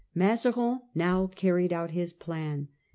Mazarin now carried out his plan.